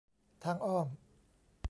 ทางอ้อม